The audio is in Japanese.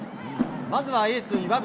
まずは、エース岩渕。